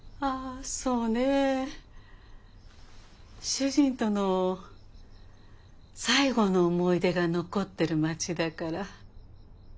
主人との最後の思い出が残ってる町だから。